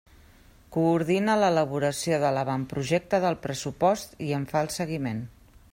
Coordina l'elaboració de l'avantprojecte del pressupost i en fa el seguiment.